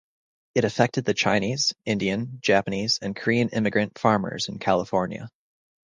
It affected the Chinese, Indian, Japanese, and Korean immigrant farmers in California.